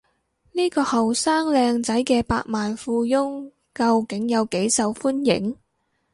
呢個後生靚仔嘅百萬富翁究竟有幾受歡迎？